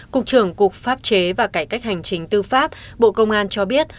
cục trưởng cục pháp chế và cải cách hành trình tư pháp bộ công an cho biết